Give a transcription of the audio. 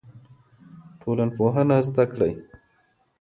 ټولنپوهنه زده کړئ.